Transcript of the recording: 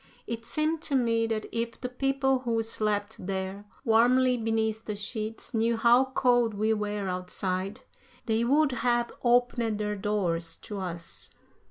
It seemed to me that if the people who slept there, warmly beneath the sheets, knew how cold we were outside, they would have opened their doors to us.